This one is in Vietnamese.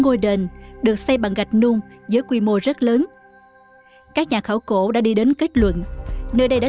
ngôi đền được xây bằng gạch nung với quy mô rất lớn các nhà khảo cổ đã đi đến kết luận nơi đây đã